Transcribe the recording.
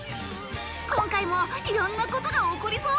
今回もいろんなことが起こりそう。